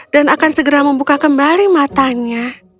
dan akan segera membuka kembali matanya